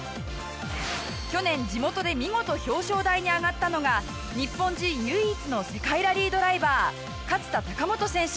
去年地元で見事表彰台に上がったのが日本人唯一の世界ラリードライバー勝田貴元選手。